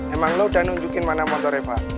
emang lo udah nunjukin mana motor reva